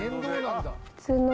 普通の？